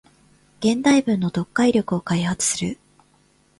現代文の読解力を開発する